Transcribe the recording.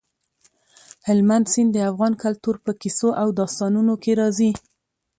هلمند سیند د افغان کلتور په کیسو او داستانونو کې راځي.